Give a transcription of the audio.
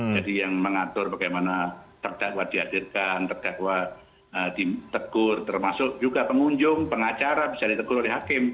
jadi yang mengatur bagaimana terdakwa dihadirkan terdakwa ditegur termasuk juga pengunjung pengacara bisa ditegur oleh hakim